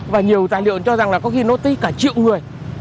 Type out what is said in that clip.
và nhiều tài liệu cho rằng là có khi nó tới cả triệu người